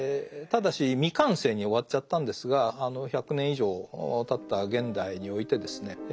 ただし未完成に終わっちゃったんですが１００年以上たった現代においてですね